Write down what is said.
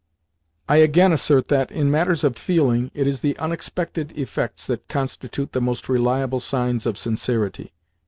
I again assert that, in matters of feeling, it is the unexpected effects that constitute the most reliable signs of sincerity.